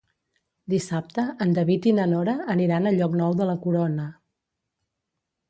Dissabte en David i na Nora aniran a Llocnou de la Corona.